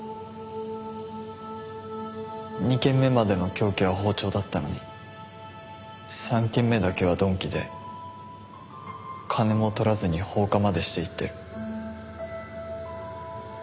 ２件目までの凶器は包丁だったのに３件目だけは鈍器で金も取らずに放火までしていってる。